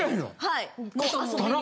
はい。